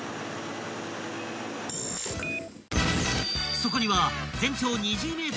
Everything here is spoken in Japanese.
［そこには］